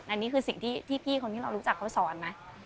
อันนี้คือสิ่งที่พี่คนที่เรารู้จักเขาสอนไหม